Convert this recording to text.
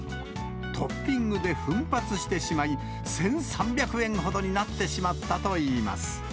トッピングで奮発してしまい、１３００円ほどになってしまったといいます。